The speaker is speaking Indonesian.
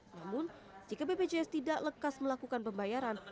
namun jika bpjs tidak lekas melakukan pembayaran